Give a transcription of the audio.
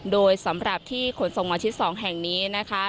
โดยสำหรับที่ขนส่งหมอชิด๒แห่งนี้นะคะ